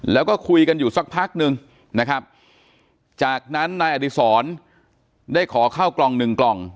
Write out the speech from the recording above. แล้วก็คุยกันอยู่สักพักนึงนะครับจากนั้นนายอดีศรได้ขอเข้ากล่องหนึ่งกล่อง